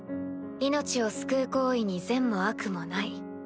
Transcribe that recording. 命を救う行為に善も悪もない。